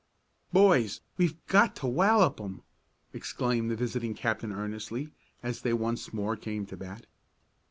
"Boys, we've got to wallop 'em!" exclaimed the visiting captain earnestly, as they once more came to bat.